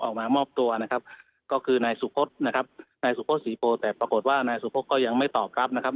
ออกมามอบตัวนะครับก็คือนายสุพศนะครับนายสุพศศรีโพแต่ปรากฏว่านายสุพธก็ยังไม่ตอบรับนะครับ